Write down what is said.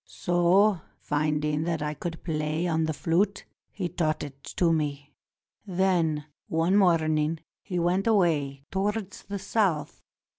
So, finding that I could play on the flute, he taught it to me. Then one morning he went away towards the South.